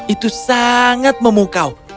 itu sangat memukau